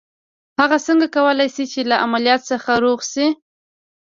هغه څنګه کولای شي چې له عمليات څخه روغ شي.